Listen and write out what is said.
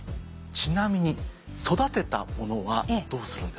ちなみに育てたものはどうするんですか？